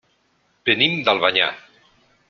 Venim d'Albanyà.